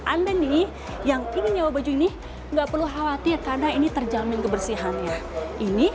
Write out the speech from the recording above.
anda nih yang ingin nyewa baju ini nggak perlu khawatir karena ini terjamin kebersihannya ini